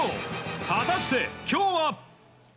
果たして、今日は。